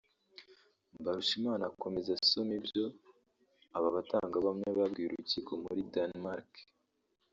Mbarushimana akomeza asoma ibyo aba batangabuhamya babwiye urukiko muri Danmark